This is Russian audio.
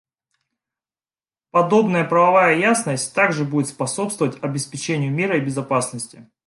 Подобная правовая ясность также будет способствовать обеспечению мира и безопасности.